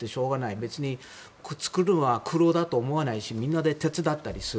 別に作るのは苦労だと思わないしみんなで手伝ったりする。